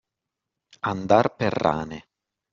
Andar per rane.